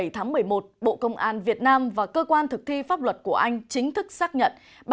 tháng một mươi một bộ công an việt nam và cơ quan thực thi pháp luật của anh chính thức xác nhận